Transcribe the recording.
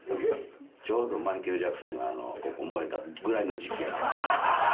ちょうどマイケル・ジャクソンがここ燃えたぐらいの時期やった。